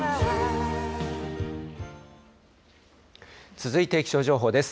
続いて気象情報です。